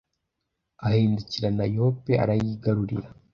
ahindukirana yope, arayigarurira